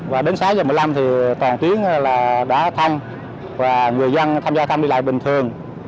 và đến sáu h một mươi năm thì toàn tuyến đã thăng và người dân tham gia thăm đi lại bình thường